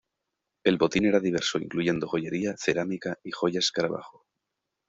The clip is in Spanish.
El botín era diverso incluyendo joyería, cerámica y joyas escarabajo.